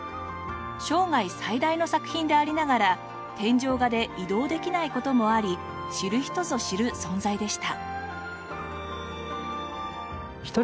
生涯最大の作品でありながら天井画で移動できない事もあり知る人ぞ知る存在でした。